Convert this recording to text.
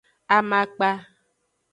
Amakpa.